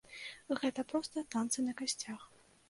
Гэта проста танцы на касцях.